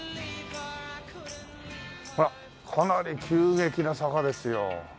ほらかなり急激な坂ですよ。